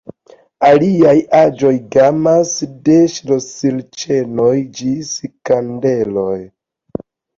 Aliaj aĵoj gamas de ŝlosilĉenoj ĝis kandeloj.